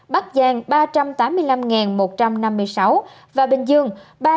bắc giang ba trăm tám mươi năm một trăm năm mươi sáu bình dương ba trăm tám mươi ba ba trăm tám mươi